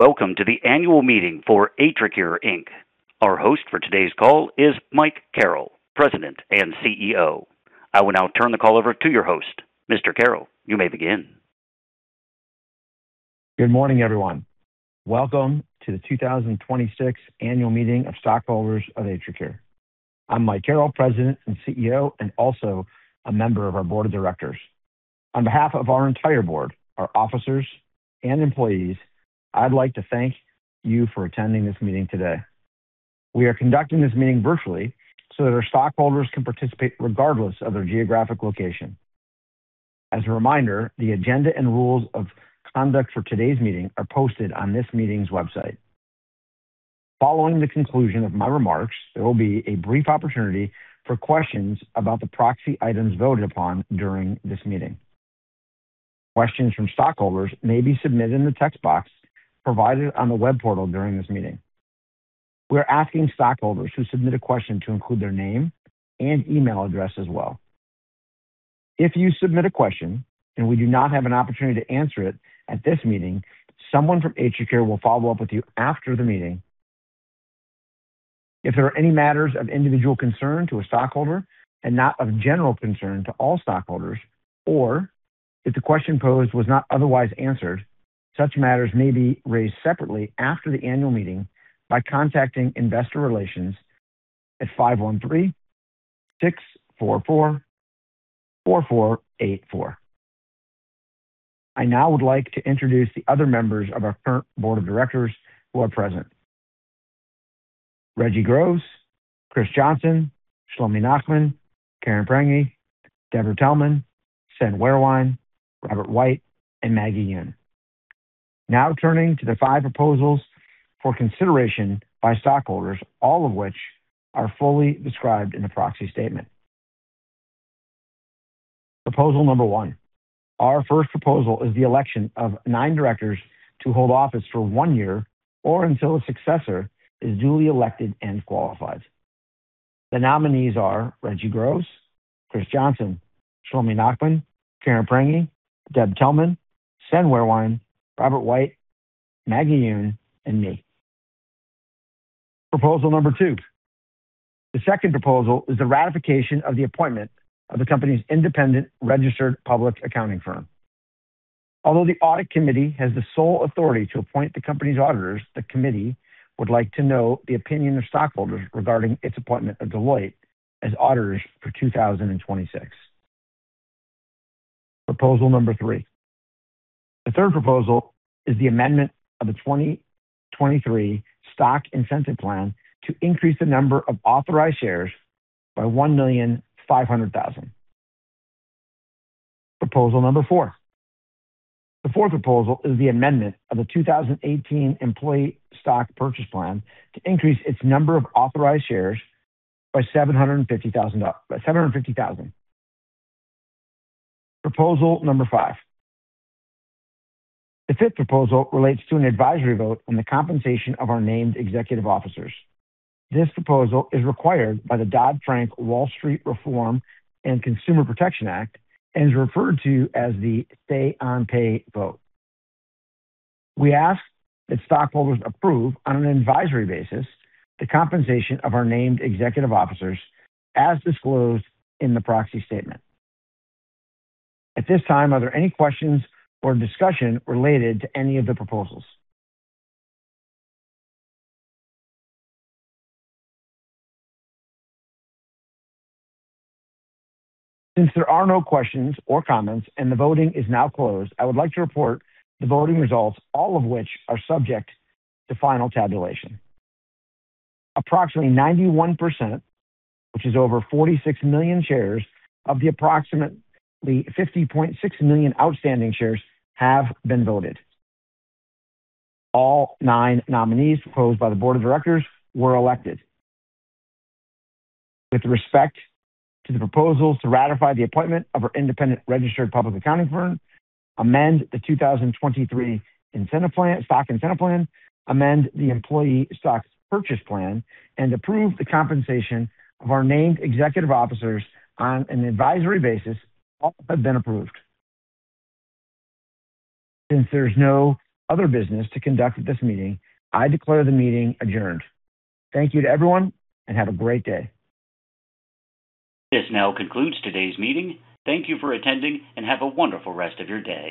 Welcome to the annual meeting for AtriCure, Inc. Our host for today's call is Michael Carrel, President and CEO. I will now turn the call over to your host. Mr. Carrel, you may begin. Good morning, everyone. Welcome to the 2026 annual meeting of stockholders of AtriCure. I'm Michael Carrel, President and CEO, and also a member of our board of directors. On behalf of our entire board, our officers, and employees, I'd like to thank you for attending this meeting today. We are conducting this meeting virtually so that our stockholders can participate regardless of their geographic location. As a reminder, the agenda and rules of conduct for today's meeting are posted on this meeting's website. Following the conclusion of my remarks, there will be a brief opportunity for questions about the proxy items voted upon during this meeting. Questions from stockholders may be submitted in the text box provided on the web portal during this meeting. We're asking stockholders who submit a question to include their name and email address as well. If you submit a question and we do not have an opportunity to answer it at this meeting, someone from AtriCure will follow up with you after the meeting. If there are any matters of individual concern to a stockholder and not of general concern to all stockholders, or if the question posed was not otherwise answered, such matters may be raised separately after the annual meeting by contacting investor relations at (513) 644-4484. I now would like to introduce the other members of our current board of directors who are present. Reggie Groves, Kris Johnson, Shlomi Nachman, Karen Prange, Deborah Telman, Sven A. Wehrwein, Robert White, and Maggie S. Yuen. Now turning to the 5 proposals for consideration by stockholders, all of which are fully described in the proxy statement. Proposal number 1. Our first proposal is the election of nine directors to hold office for one year or until a successor is duly elected and qualifies. The nominees are Regina Groves, B. Kristine Johnson, Shlomi Nachman, Karen N. Prange, Deborah H. Telman, Sven A. Wehrwein, Robert S. White, Maggie S. Yuen, and me. Proposal number 2. The second proposal is the ratification of the appointment of the company's independent registered public accounting firm. Although the audit committee has the sole authority to appoint the company's auditors, the committee would like to know the opinion of stockholders regarding its appointment of Deloitte as auditors for 2026. Proposal number 3. The third proposal is the amendment of the 2023 Stock Incentive Plan to increase the number of authorized shares by 1,500,000. Proposal number 4. The fourth proposal is the amendment of the 2018 Employee Stock Purchase Plan to increase its number of authorized shares by 750,000. Proposal number 5. The fifth proposal relates to an advisory vote on the compensation of our named executive officers. This proposal is required by the Dodd-Frank Wall Street Reform and Consumer Protection Act and is referred to as the say on pay vote. We ask that stockholders approve on an advisory basis the compensation of our named executive officers as disclosed in the proxy statement. At this time, are there any questions or discussion related to any of the proposals? Since there are no questions or comments and the voting is now closed, I would like to report the voting results, all of which are subject to final tabulation. Approximately 91%, which is over 46 million shares of the approximately 50.6 million outstanding shares, have been voted. All 9 nominees proposed by the board of directors were elected. With respect to the proposals to ratify the appointment of our independent registered public accounting firm, amend the 2023 Stock Incentive Plan, amend the Employee Stock Purchase Plan, and approve the compensation of our named executive officers on an advisory basis, all have been approved. Since there's no other business to conduct at this meeting, I declare the meeting adjourned. Thank you to everyone, and have a great day. This now concludes today's meeting. Thank you for attending. Have a wonderful rest of your day.